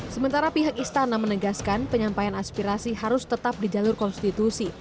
sementara pihak istana menegaskan penyampaian aspirasi harus tetap di jalur konstitusi